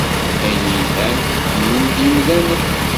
Ayen yelhan, ḥemmlen-t yemdanen.